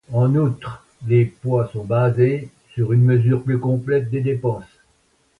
En outre, les poids sont basés sur une mesure plus complète des dépenses.